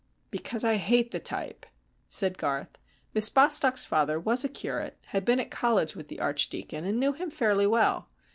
"Because I hate the type," said Garth. "Miss Bostock's father was a curate, had been at college with the Archdeacon, and knew him fairly well.